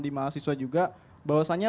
di mahasiswa juga bahwasannya